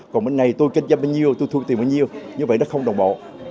còn bên này tôi kinh doanh bao nhiêu tôi thu tiền bao nhiêu như vậy nó không đồng bộ